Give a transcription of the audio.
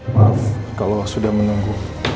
maaf kalau sudah menunggu